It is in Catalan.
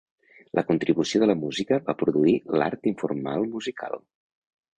La contribució de la música va produir l'art informal musical.